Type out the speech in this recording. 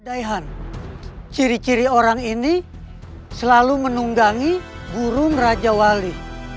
daihan ciri ciri orang ini selalu menunggangi burung raja wali